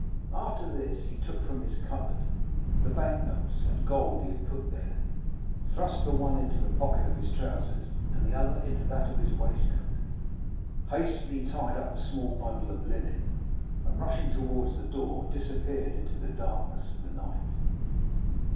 "After this he took from his cupboard the bank notes and gold he had put there, thrust the one into the pocket of his trousers, and the other into that of his waistcoat, hastily tied up a small bundle of linen, and rushing towards the door, disappeared in the darkness of the night.